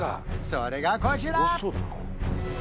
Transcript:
それがこちら！